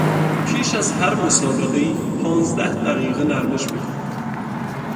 پیش از هر مسابقهای پانزده دقیقه نرمش میکند.